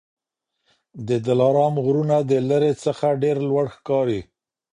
د دلارام غرونه د لیري څخه ډېر لوړ ښکاري